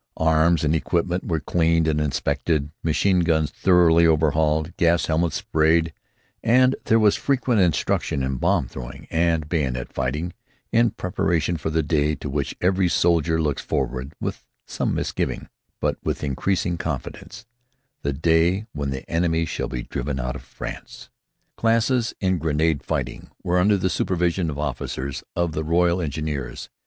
Arms and equipment were cleaned and inspected, machine guns thoroughly overhauled, gas helmets sprayed; and there was frequent instruction in bomb throwing and bayonet fighting in preparation for the day to which every soldier looks forward with some misgiving, but with increasing confidence the day when the enemy shall be driven out of France. Classes in grenade fighting were under the supervision of officers of the Royal Engineers.